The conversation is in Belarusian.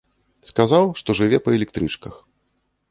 Сказаў, што жыве па электрычках.